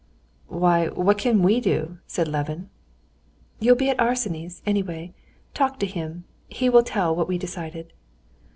"Why, what can we do?" said Levin. "You'll be at Arseny's, anyway; talk to him, he will tell what we decided."